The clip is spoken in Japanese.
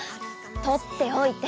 取っておいて！